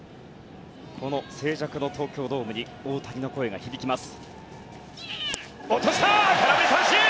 この静寂の東京ドームに大谷の声が響きます。